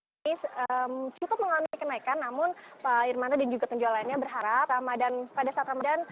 ini cukup mengalami kenaikan namun pak irmanto dan juga penjualannya berharap pada saat ramadhan